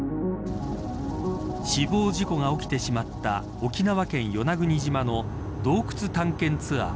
死亡事故が起きてしまった沖縄県与那国島の洞窟探検ツアー。